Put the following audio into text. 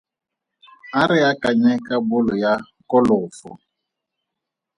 A re akanye ka bolo ya kolofo.